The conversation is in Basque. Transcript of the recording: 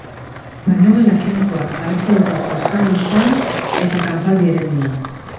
Bainugela kimikoak jarriko dituzte esparru osoan eta kanpaldi eremuan.